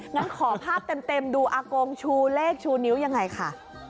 งั้นขอภาพเต็มดูอากงชูเลขชูนิ้วยังไงค่ะ